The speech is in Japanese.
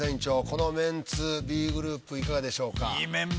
このメンツＢグループいかがでしょうか？